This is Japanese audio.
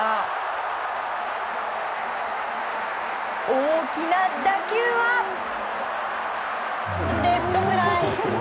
大きな打球はレフトフライ。